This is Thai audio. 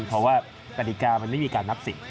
เพราะว่ากฎิกามันไม่มีการนับสิทธิ